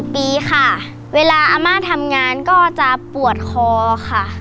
พ่อจะปวดคอค่ะ